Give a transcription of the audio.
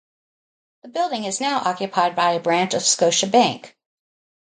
The building is now occupied by a branch of Scotiabank.